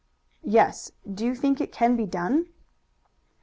"Yes. Do you think it can be done?"